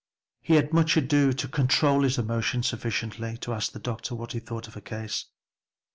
He had much ado to control his emotion sufficiently to ask the doctor what he thought of her case.